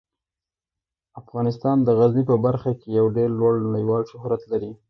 افغانستان د غزني په برخه کې یو ډیر لوړ نړیوال شهرت لري.